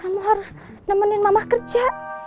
kamu harus nemenin mama kerja